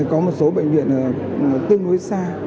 có một số bệnh viện tương đối xa